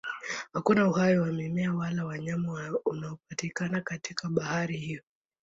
Hakuna uhai wa mimea wala wanyama unaopatikana katika bahari hiyo.